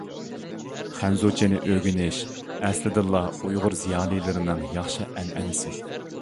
خەنزۇچىنى ئۆگىنىش ئەسلىدىنلا ئۇيغۇر زىيالىيلىرىنىڭ ياخشى ئەنئەنىسى.